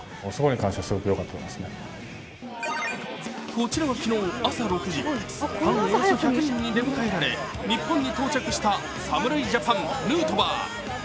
こちらは昨日、朝６時、ファンおよそ１００人に出迎えられ、日本に到着した侍ジャパンヌートバー。